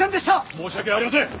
申し訳ありません！